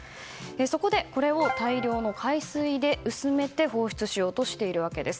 そこでこれを大量の海水で薄めて放出しようとしているわけです。